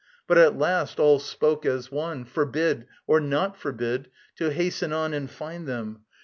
But at last all spoke as one, Forbid or not forbid, to hasten on And find them.